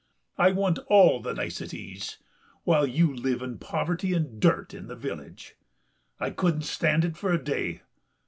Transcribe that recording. I want all the niceties, while you live in poverty and dirt in the village.... I couldn't stand it for a day.